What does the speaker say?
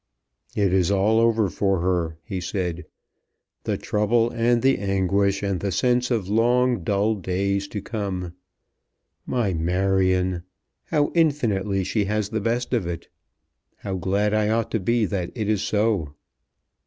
"It is all over for her," he said, "the trouble and the anguish, and the sense of long dull days to come. My Marion! How infinitely she has the best of it! How glad I ought to be that it is so."